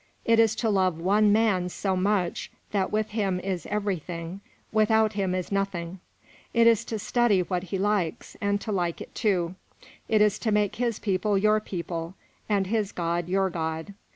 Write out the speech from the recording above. It is to love one man so much that with him is everything without him is nothing. It is to study what he likes, and to like it too. It is to make his people your people, and his God your God.